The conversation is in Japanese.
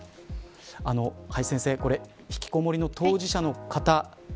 林先生、ひきこもりの当事者の方